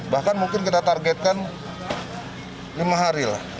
bahkan mungkin kita targetkan lima hari lah